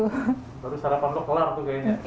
baru sarapan lu kelar tuh kayaknya